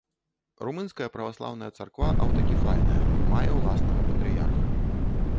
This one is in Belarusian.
Румынская праваслаўная царква аўтакефальная, мае ўласнага патрыярха.